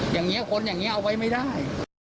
อย่างนี้คนอย่างนี้เอาไว้ไม่ได้